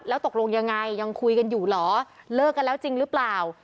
แล้วตกลงยังไงยังคุยกันอยู่เหรอเลิกกันแล้วจริงหรือเปล่า